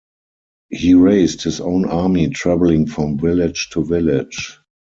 He raised his own army travelling from village to village.